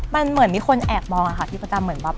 มันเหมือนมีคนแอบมองค่ะพี่ประจำเหมือนแบบ